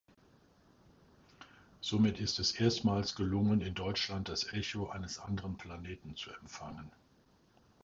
Somit ist es erstmals gelungen, in Deutschland das Echo eines anderen Planeten zu empfangen.